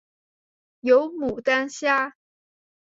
有牡丹虾